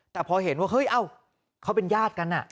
แต่พอเห็นว่าเฮ้ยเอ้าเขาเป็นญาติกัน